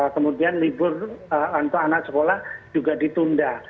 kemudian libur untuk anak sekolah juga ditunda